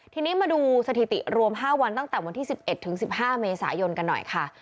ทีนี้มาดูสถิติรวม๕วันตั้งแต่วันที่๑๑ถึง๑๕เมษายนกันหน่อยค่ะ